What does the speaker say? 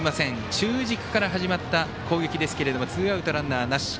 中軸から始まった攻撃でしたがツーアウト、ランナーなし。